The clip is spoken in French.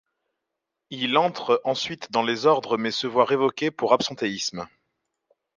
Il entre ensuite dans les ordres mais se voit révoqué pour absentéisme.